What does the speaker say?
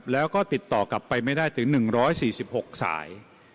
แล้วก็ติดต่อกลับไปไม่ได้ถึง๑๔๖สาย